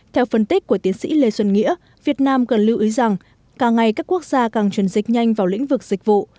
theo phân tích của tiến sĩ lê xuân nghĩa việt nam cần lưu ý rằng càng ngày các quốc gia càng chuyển dịch nhanh vào lĩnh vực dịch vụ